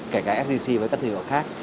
kể cả sgc với các thương hiệu khác